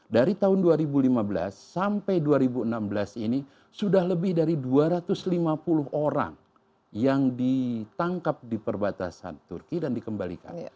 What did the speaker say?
dari tahun dua ribu lima belas sampai dua ribu enam belas ini sudah lebih dari dua ratus lima puluh orang yang ditangkap di perbatasan turki dan dikembalikan